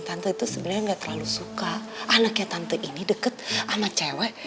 tante itu sebenarnya nggak terlalu suka anaknya tante ini deket sama cewek